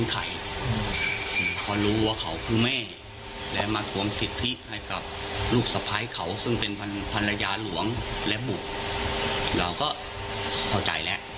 ไม่หมดทบตัวแล้วคุณพ่อในเวลานั้นคือเรายหคือเราไม่คิดว่ามันจะเป็นเป็นลูกเป็นลูกอ่ะไม่คิดเลยอ่ะ